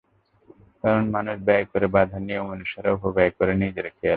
কারণ, মানুষ ব্যয় করে বাঁধা নিয়ম অনুসারে, অপব্যয় করে নিজের খেয়ালে।